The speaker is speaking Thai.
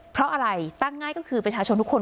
เพราะอะไรตั้งง่ายก็คือประชาชนทุกคน